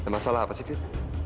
masalah apa sih fit